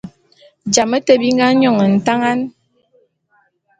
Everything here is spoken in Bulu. Jame te bi nga nyon ntangan.